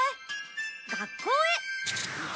学校へ！